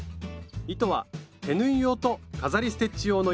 糸は手縫い用と飾りステッチ用の糸